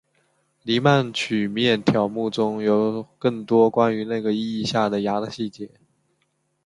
黎曼曲面条目中有更多关于那个意义下的芽的细节。